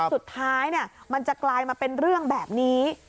สุดท้ายมันจะกลายมาเป็นเรื่องแบบนี้